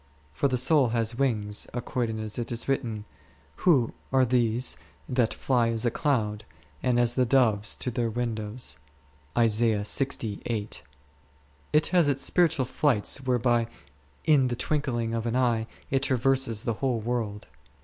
For the soul has wings, according as it is written, who are these that fly as a cloud, and as the doves to their windows P ? It has its spiritual flights, whereby in the twinkling of an eye it traverses the whole world.